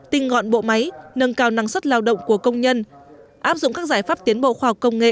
tinh gọn bộ máy nâng cao năng suất lao động của công nhân áp dụng các giải pháp tiến bộ khoa học công nghệ